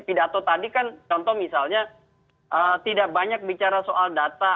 pidato tadi kan contoh misalnya tidak banyak bicara soal data